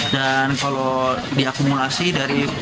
dan kalau diakumulasi dari